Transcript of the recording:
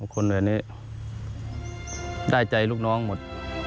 คนแบบนี้ได้ใจลูกน้องหมด